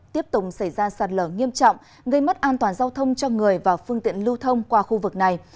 tiếp tục xảy ra sạt lở nghiêm trọng gây mất an toàn giao thông cho người và phương tiện lưu thông qua khu vực này